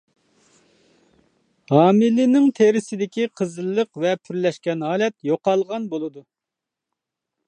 ھامىلىنىڭ تېرىسىدىكى قىزىللىق ۋە پۈرلەشكەن ھالەت يوقالغان بولىدۇ.